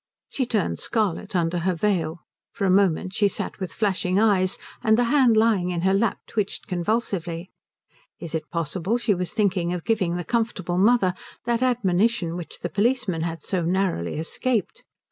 She turned scarlet under her veil. For a moment she sat with flashing eyes, and the hand lying in her lap twitched convulsively. Is it possible she was thinking of giving the comfortable mother that admonition which the policeman had so narrowly escaped?